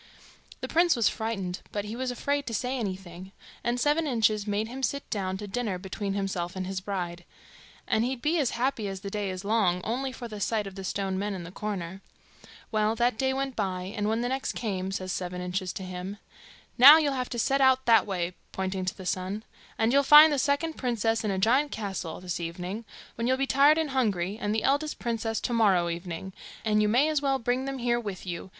The prince was frightened, but he was afraid to say anything, and Seven Inches made him sit down to dinner between himself and his bride; and he'd be as happy as the day is long, only for the sight of the stone men in the corner. Well, that day went by, and when the next came, says Seven Inches to him, 'Now, you'll have to set out that way,' pointing to the sun, 'and you'll find the second princess in a giant's castle this evening, when you'll be tired and hungry, and the eldest princess to morrow evening; and you may as well bring them here with you.